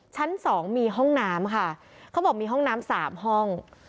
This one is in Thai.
ชั้นสองมีห้องน้ำค่ะเขาบอกมีห้องน้ำสามห้อง